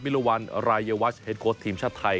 มิรววรรณรายเยวัชเฮ็ดโค้ดทีมชาติไทย